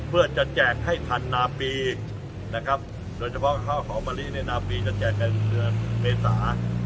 เพื่อจะแจกให้ทันนาปีนะครับโดยเฉพาะข้าวหอมมะลิในนาปีจะแจกในเดือนเมษา